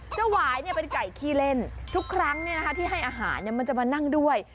หวายเป็นไก่ขี้เล่นทุกครั้งที่ให้อาหารมันจะมานั่งด้วย